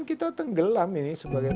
kita tenggelam ini sebagainya